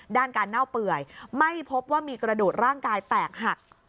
ด้านการเน่าเปื่อยไม่พบว่ามีกระดูกร่างกายแตกหัก